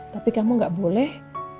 tapi kamu gak boleh